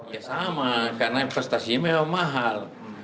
ya sama karena investasi memang mahal